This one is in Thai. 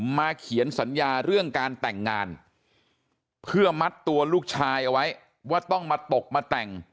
เขียนสัญญาเรื่องการแต่งงานเพื่อมัดตัวลูกชายเอาไว้ว่าต้องมาตกมาแต่ง